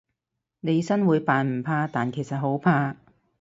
利申會扮唔怕，但其實好怕